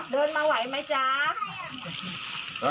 เดินมาไหวไหมจ๊ะ